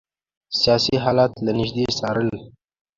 سیاسي حالات له نیژدې څارل.